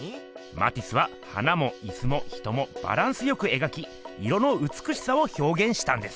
マティスは花もいすも人もバランスよく描き色のうつくしさをひょうげんしたんです。